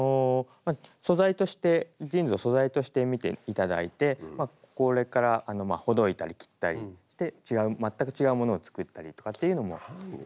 素材としてジーンズを素材として見て頂いてこれからほどいたり切ったりして全く違うものを作ったりとかっていうのもはい。